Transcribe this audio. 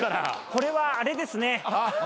これはあれですね